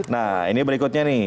nah ini berikutnya nih